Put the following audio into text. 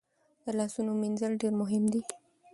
د لاسونو مینځل ډیر مهم دي۔